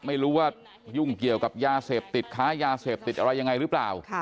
ไม่รู้ว่ายุ่งเกี่ยวกับยาเสพติดค้ายาเสพติดอะไรยังไงหรือเปล่า